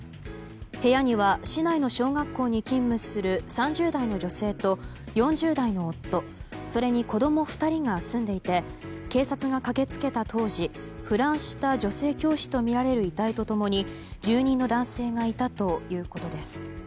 部屋には市内の小学校に勤務する３０代の女性と４０代の夫それに子供２人が住んでいて警察が駆け付けた当時腐乱した女性教師とみられる遺体と共に住人の男性がいたということです。